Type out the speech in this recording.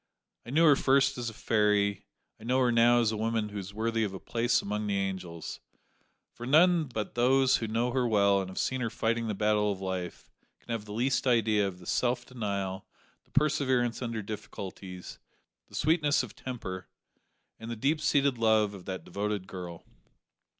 I knew her first as a fairy, I know her now as a woman who is worthy of a place among the angels, for none but those who know her well and have seen her fighting the battle of life can have the least idea of the self denial, the perseverance under difficulties, the sweetness of temper, and the deep seated love of that devoted girl.